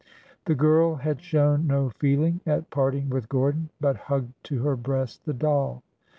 The girl had shown no feeling at parting with Gordon, but hugged to her breast the doll.